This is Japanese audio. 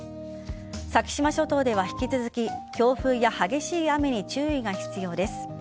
先島諸島では引き続き強風や激しい雨に注意が必要です。